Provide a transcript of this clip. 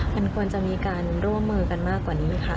มันควรจะมีการร่วมมือกันมากกว่านี้ไหมคะ